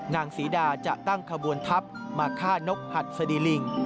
นางศรีดาจะตั้งขบวนทัพมาฆ่านกหัดสดีลิง